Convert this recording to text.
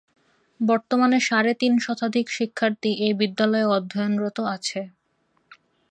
বর্তমানে সাড়ে তিন শতাধিক শিক্ষার্থী এ বিদ্যালয়ে অধ্যয়নরত আছে।